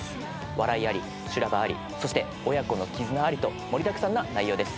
笑いあり修羅場ありそして親子の絆ありと盛りだくさんな内容です。